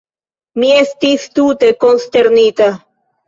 Mi estis tute konsternita.